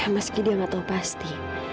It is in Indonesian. meski dia gak tau pasti